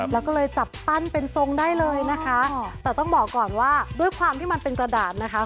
แล้วก็เลยจับปั้นเป็นทรงได้เลยนะคะแต่ต้องบอกก่อนว่าด้วยความที่มันเป็นกระดาษนะคะ